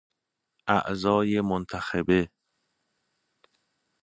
اعضای منتخبه